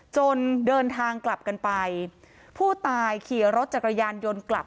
เดินทางกลับกันไปผู้ตายขี่รถจักรยานยนต์กลับ